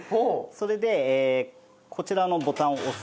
それでこちらのボタンを押すんですよ。